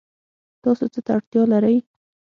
تاسو څه ته اړتیا لرئ؟